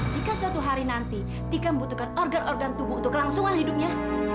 jika suatu hari nanti tika membutuhkan organ organ tubuh untuk kelangsungan hidupnya